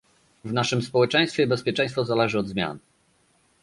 W naszym społeczeństwie bezpieczeństwo zależy od zmian